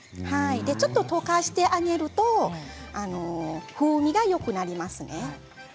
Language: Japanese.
ちょっと溶かしてあげると風味がよくなります。